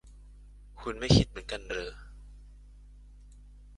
คุณไม่คิดเหมือนกันหรอ